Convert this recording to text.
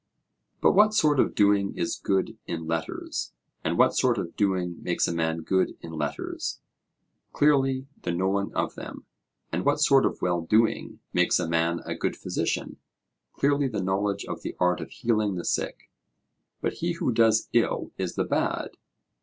But what sort of doing is good in letters? and what sort of doing makes a man good in letters? Clearly the knowing of them. And what sort of well doing makes a man a good physician? Clearly the knowledge of the art of healing the sick. 'But he who does ill is the bad.'